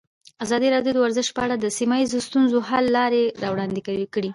ازادي راډیو د ورزش په اړه د سیمه ییزو ستونزو حل لارې راوړاندې کړې.